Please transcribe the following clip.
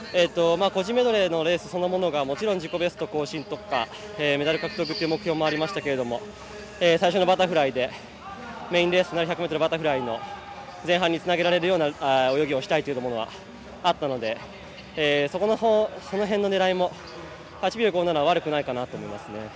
個人メドレーのレースそのものがもちろん自己ベスト更新とかメダル獲得という目標もありましたけど最初のバタフライでメインレースのバタフライの前半につなげられるような泳ぎをしたいというのがあったのでその辺の狙いも８秒５７は悪くないかなと思いますね。